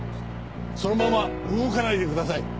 そのまま動かないでください。